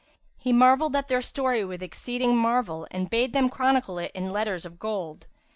He marvelled at their story with exceeding marvel and bade them chronicle it in letters of gold.